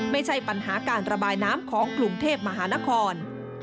ไม่ใช่ปัญหาการระบายน้ำของกรุงเทพมหานคร